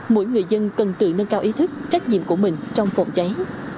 mỗi người dân cần tự nâng cao ý thức trách nhiệm của mình trong phòng cháy